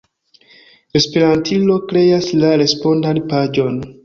Esperantilo kreas la respondan paĝon.